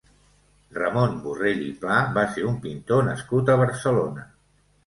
Ramon Borrell i Pla va ser un pintor nascut a Barcelona.